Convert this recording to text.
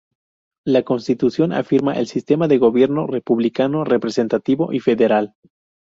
La Constitución afirma el sistema de gobierno, republicano, representativo y federal.